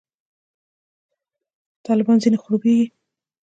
طالبان ځنې خړوبېږي.